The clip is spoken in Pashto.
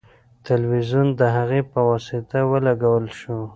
تلویزیون د هغې په واسطه ولګول شو.